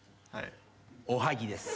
お歯ぎです。